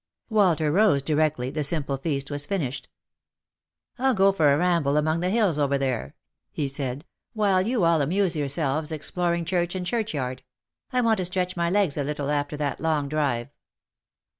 Walter rose directly the simple feast was finished. " 111 go for a ramble among the hills over there," he said, " while you all amuse yourselves exploring church and church yard. I want to stretch my legs a little after that long drive."